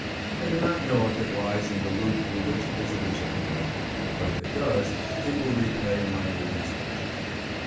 I do not know if it lies in the route through which visitors are conducted, but if it does it will repay a minute inspection.